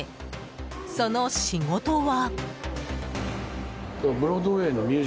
その仕事は。